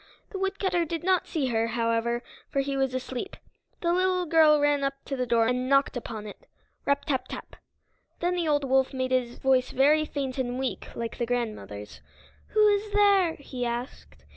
The woodcutter did not see her, however, for he was asleep. The little girl ran up to the door and knocked upon it, rap tap tap! Then the old wolf made his voice very faint and weak like the grandmother's. "Who is there?" he asked.